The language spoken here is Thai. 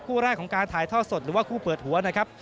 คู่แรกของการถ่ายทอดสดหรือว่าคู่เปิดหัวนะครับ